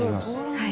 はい